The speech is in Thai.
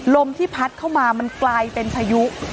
ลมที่พัดเข้ามามันกลายเป็นพายุ